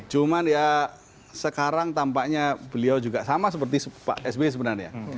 cuman ya sekarang tampaknya beliau juga sama seperti pak sby sebenarnya